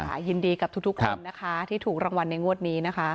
ยินดีกับทุกคนนะคะที่ถูกรางวัลในงวดนี้นะคะ